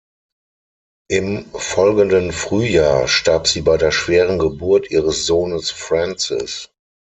Im folgenden Frühjahr starb sie bei der schweren Geburt ihres Sohnes Francis.